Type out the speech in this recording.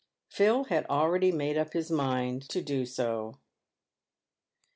Phil had alr§ady made up his mind to do so.